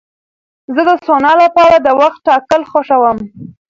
زه د سونا لپاره د وخت ټاکل خوښوم.